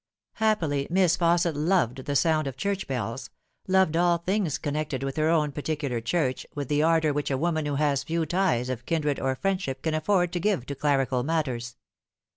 Happily Miss Fausset loved the sound of church bells, loved all things connected with her own particular church with the ardour which a woman who has few ties of kindred or friend ship can afford to give to clerical matters.